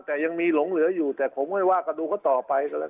แต่ยังมีหลงเหลืออยู่แต่ผมค่อยว่ากันดูเขาต่อไป